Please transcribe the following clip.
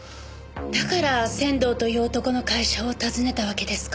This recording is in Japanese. だから仙道という男の会社を訪ねたわけですか。